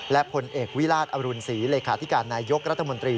และผลเอกวิราชอรุณศรีเลขาธิการนายยกรัฐมนตรี